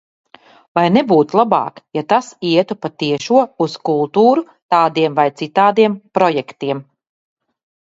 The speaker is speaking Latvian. Vai nebūtu labāk, ja tas ietu pa tiešo uz kultūru tādiem vai citādiem projektiem?